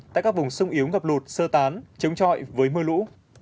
tại các vùng sung yếu ngập lụt sơ tán chống chọi với mưa lũ